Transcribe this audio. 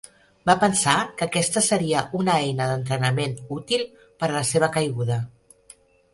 Va pensar que aquesta seria una eina d'entrenament útil per a la seva caiguda.